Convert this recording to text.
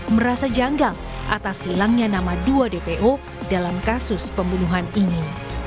merasa janggal atas hilangnya nama dua dpo dalam kasus pembunuhan ini